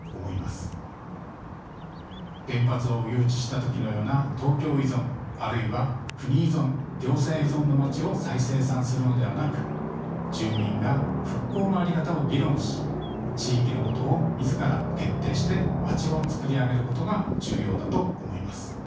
原発を誘致した時のような東京依存あるいは国依存行政依存のまちを再生産するのではなく住民が復興の在り方を議論し地域のことを自ら決定してまちをつくり上げることが重要だと思います。